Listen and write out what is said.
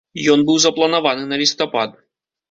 Ён быў запланаваны на лістапад.